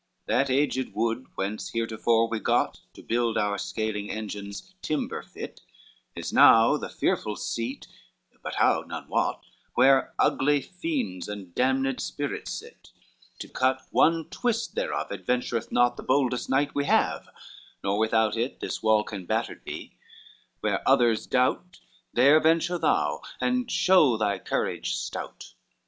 III "That aged wood whence heretofore we got, To build our scaling engines, timber fit, Is now the fearful seat, but how none wot, Where ugly fiends and damned spirits sit; To cut one twist thereof adventureth not The boldest knight we have, nor without it This wall can battered be: where others doubt There venture thou, and show thy courage stout."